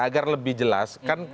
agar lebih jelas